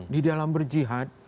di dalam berjihad